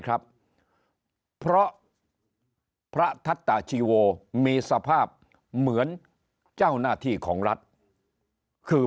ครับเพราะพระทัตตาชีโวมีสภาพเหมือนเจ้าหน้าที่ของรัฐคือ